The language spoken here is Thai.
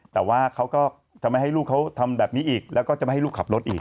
แต่ว่าเขาก็จะไม่ให้ลูกเขาทำแบบนี้อีกแล้วก็จะไม่ให้ลูกขับรถอีก